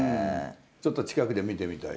ちょっと近くで見てみたい？